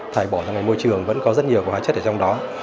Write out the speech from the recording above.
thải bỏ ra ngoài môi trường vẫn có rất nhiều và hóa chất ở trong đó